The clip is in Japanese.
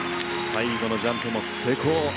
最後のジャンプも成功。